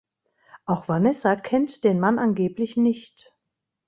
Auch Vanessa kennt den Mann angeblich nicht.